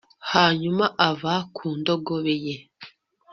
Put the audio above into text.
hanyuma ava ku ndogobe ye